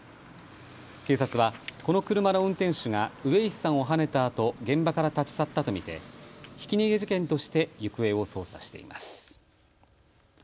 警察はこの車の運転手が上石さんをはねたあと現場から立ち去ったと見てひき逃げ事件として行方を捜査しています。